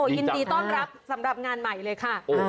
ยินดีต้อนรับสำหรับงานใหม่เลยค่ะ